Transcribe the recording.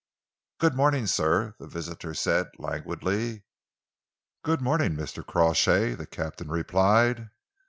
"Good morning, sir," the visitor said languidly. "Good morning, Mr. Crawshay," the captain replied.